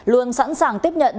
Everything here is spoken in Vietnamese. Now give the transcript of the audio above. luôn sẵn sàng tiếp nhận